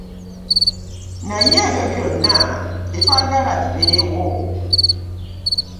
Naye ebyo byonna tetwagala bibeewo.